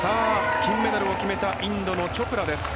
金メダルを決めたインドのチョプラです。